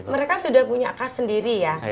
mereka sudah punya kas sendiri ya